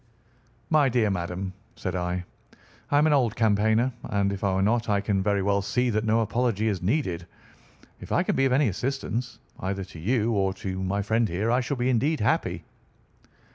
"My dear madam," said I, "I am an old campaigner, and if I were not I can very well see that no apology is needed. If I can be of any assistance, either to you or to my friend here, I shall be indeed happy."